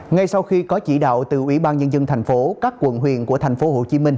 ngay sau khi có chỉ đạo từ ủy ban nhân dân tp các quận huyền của tp hcm